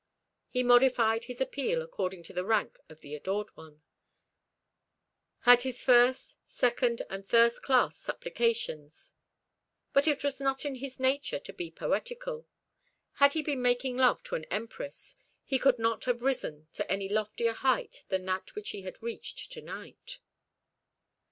He modified his appeal according to the rank of the adored one had his first, second, and third class supplications; but it was not in his nature to be poetical. Had he been making love to an empress, he could not have risen to any loftier height than that which he had reached to night.